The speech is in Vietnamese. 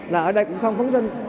là ở đây cũng không phóng sinh